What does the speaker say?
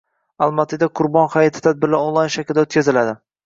Almatida Qurbon hayiti tadbirlari onlayn shaklda o‘tkaziladi